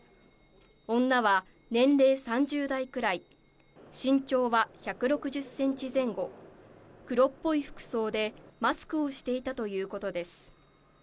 女は年齢３０代くらい、身長は１６０センチ前後、黒っぽい服装でマスクをしていたということです。